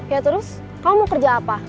ya terus kamu mau kerja apa